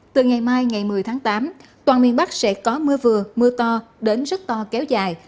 từ ngày mai ngày một mươi tháng tám toàn miền bắc sẽ có mưa vừa mưa to đến rất to kéo dài